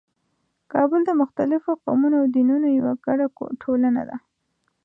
کابل د مختلفو قومونو او دینونو یوه ګډه ټولنه ده.